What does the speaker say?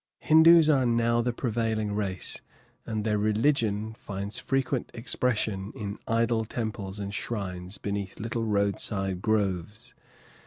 Hindoos are now the prevailing race, and their religion finds frequent expression in idol temples and shrines beneath little roadside groves.